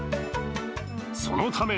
そのため